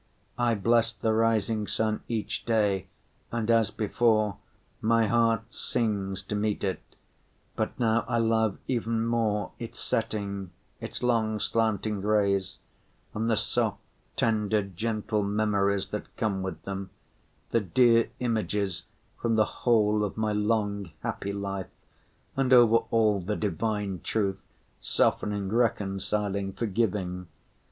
I bless the rising sun each day, and, as before, my hearts sings to meet it, but now I love even more its setting, its long slanting rays and the soft, tender, gentle memories that come with them, the dear images from the whole of my long, happy life—and over all the Divine Truth, softening, reconciling, forgiving!